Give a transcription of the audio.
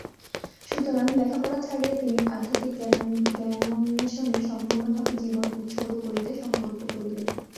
সুতরাং লেখাপড়া ছাড়িয়া তিনি আধ্যাত্মিক জ্ঞানন্বেষণে সম্পূর্ণভাবে জীবন উৎসর্গ করিতে সংকল্প করিলেন।